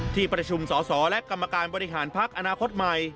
ที่ประชุมสอสอและกรรมการบริหารพักอนาคตใหม่